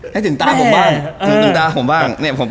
ให้ศึงตากลับให้มาดูผมบ้าง